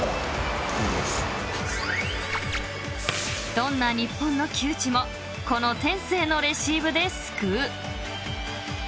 ［どんな日本の窮地もこの天性のレシーブで救う］